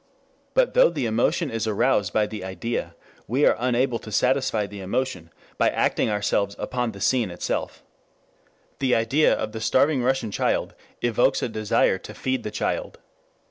But though the emotion is aroused by the idea, we are unable to satisfy the emotion by acting ourselves upon the scene itself. The idea of the starving Russian child evokes a desire to feed the child.